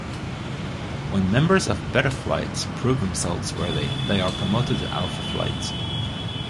When members of Beta Flight prove themselves worthy they are promoted to Alpha Flight.